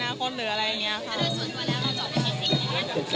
ถ้าได้ส่วนตัวแล้วคุณจะออกให้มีสิทธิ์ไหมครับ